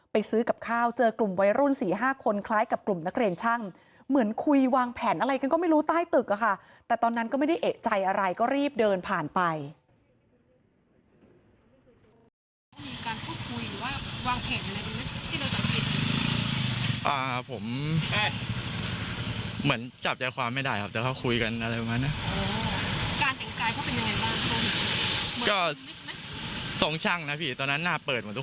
พอสมควรนะจนผมออกไปซื้อข้าวเสร็จแล้วผมกลับมาก็ยังอยู่